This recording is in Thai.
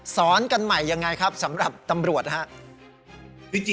สอนกันใหม่ยังไงครับสำหรับตำรวจครับ